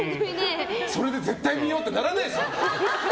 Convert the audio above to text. それで絶対見ようってならないですから。